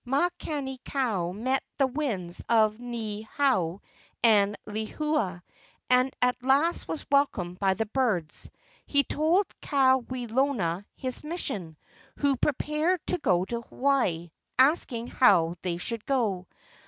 Makani kau met the winds of Niihau and Lehua, and at last was welcomed by the birds. He told Kawelona his mission, who prepared to go to Hawaii, asking how they should go.